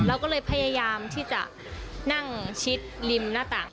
เราก็เลยพยายามที่จะนั่งชิดริมหน้าต่าง